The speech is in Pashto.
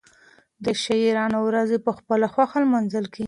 د شاعرانو ورځې په خپله خوښه لمانځل کېږي.